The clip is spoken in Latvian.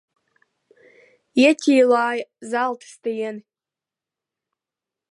Ieķīlāja zelta stieni.